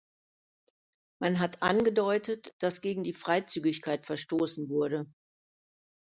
Man hat angedeutet, dass gegen die Freizügigkeit verstoßen wurde.